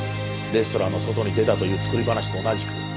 レストランの外に出たという作り話と同じく。